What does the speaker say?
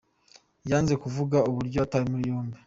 Yanze kuvuga uburyo yatawe muri yombi.